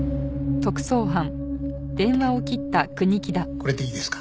これでいいですか？